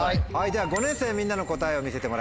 では５年生みんなの答えを見せてもらいましょう。